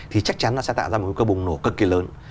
thì chắc chắn nó sẽ tạo ra một cơ bùng nổ cực kỳ lớn